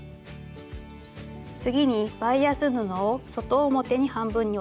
次にバイアス布を外表に半分に折ります。